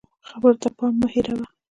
خبرو ته پام مه هېروه